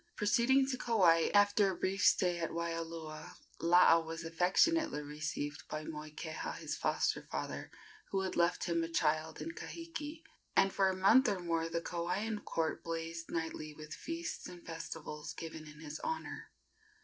Proceeding to Kauai, after a brief stay at Waialua, Laa was affectionately received by Moikeha, his foster father, who had left him a child in Kahiki, and for a month or more the Kauaian court blazed nightly with feasts and festivals given in his honor.